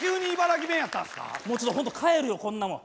ちょっとホント帰るよこんなもん。